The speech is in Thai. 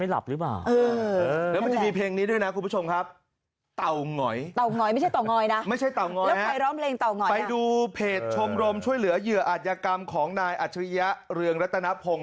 แล้วทีเยอะอาจยกรรมของนายอาชิริยะเรืองรัตนพงศ์